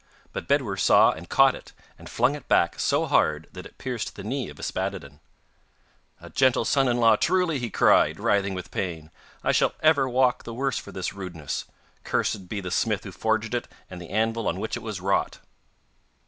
But Bedwyr saw and caught it, and flung it back so hard that it pierced the knee of Yspaddaden. 'A gentle son in law, truly!' he cried, writhing with pain. 'I shall ever walk the worse for this rudeness. Cursed be the smith who forged it, and the anvil on which it was wrought!